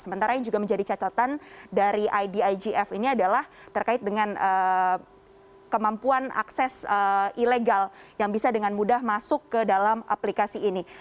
sementara yang juga menjadi catatan dari idigf ini adalah terkait dengan kemampuan akses ilegal yang bisa dengan mudah masuk ke dalam aplikasi ini